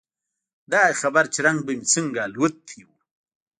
خداى خبر چې رنگ به مې څنګه الوتى و.